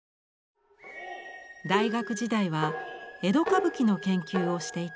大学時代は江戸歌舞伎の研究をしていた朝吹さん。